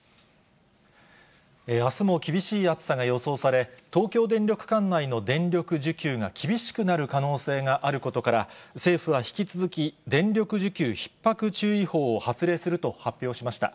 あすも厳しい暑さが予想され、東京電力管内の電力需給が厳しくなる可能性があることから、政府は引き続き電力需給ひっ迫注意報を発令すると発表しました。